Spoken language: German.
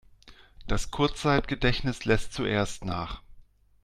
Das Kurzzeitgedächtnis lässt zuerst nach.